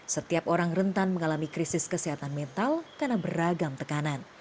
setiap orang rentan mengalami krisis kesehatan mental karena beragam tekanan